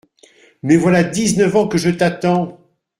Mais voilà dix-neuf ans que je t’attends !